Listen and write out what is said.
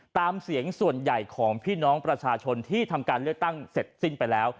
ตามเสียงส่วนใหญ่ของพี่น้องประชาชนที่ทำการเลือกตั้งเสร็จสิ้นไปแล้ว